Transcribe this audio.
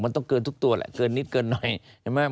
มันต้องเกินทุกตัวแหละเกินนิดเกินหน่อยใช่ไหม